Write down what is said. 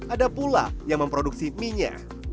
ada pula yang memproduksi mie nya